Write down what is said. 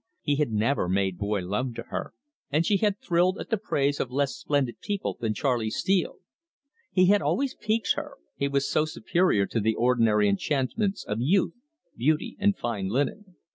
He had never made boy love to her, and she had thrilled at the praise of less splendid people than Charley Steele. He had always piqued her, he was so superior to the ordinary enchantments of youth, beauty, and fine linen.